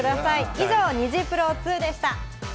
以上、ニジプロ２でした。